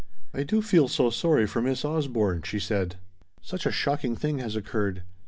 "I do feel so sorry for Miss Osborne," she said. "Such a shocking thing has occurred.